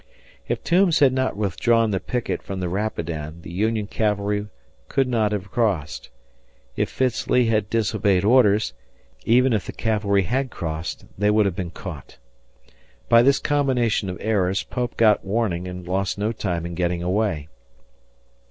If Toombs had not withdrawn the picket from the Rapidan, the Union cavalry could not have crossed; if Fitz Lee had obeyed orders, even ifthe cavalry had crossed, they would have been caught. By this combination of errors, Pope got warning and lost no time in getting away.